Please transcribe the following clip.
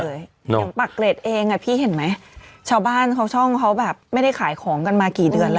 อย่างปากเกร็ดเองอ่ะพี่เห็นไหมชาวบ้านเขาช่องเขาแบบไม่ได้ขายของกันมากี่เดือนแล้ว